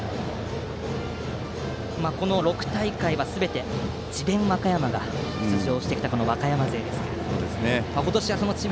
この６大会は、すべて智弁和歌山が出場してきた和歌山勢ですが今年はその智弁